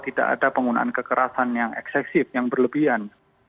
tidak ada penggunaan kekerasan yang eksesif yang berlebihan